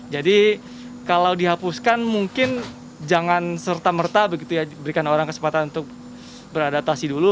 jadi kalau dihapuskan mungkin jangan serta merta berikan orang kesempatan untuk beradaptasi dulu